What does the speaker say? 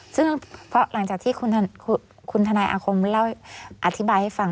ซึ่งหลังจากที่คุณทนายอาคมอธิบายให้ฟัง